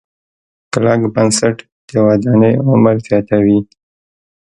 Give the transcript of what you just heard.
کلک بنسټ د ودانۍ عمر زیاتوي.